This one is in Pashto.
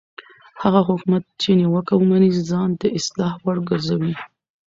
هغه حکومت چې نیوکه ومني ځان د اصلاح وړ ګرځوي